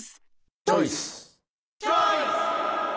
チョイス！